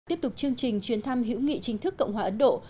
tiếp tục chương trình chuyến thăm hữu nghị chính thức cộng hòa ấn độ